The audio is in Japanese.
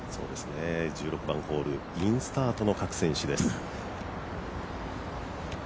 １６番ホールインスタートの各選手です。